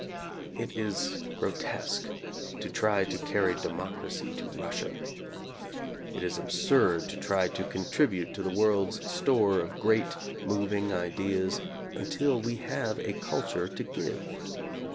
It is grotesque to try to [no] carry democracy to Russia. It is absurd to try to contribute to the world's store of great moving ideas until we have a culture to give.